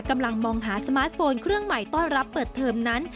กำลังมองหาสมาร์ทโฟนเครื่องใหม่ต้อนรับเปิดเทอมนั้น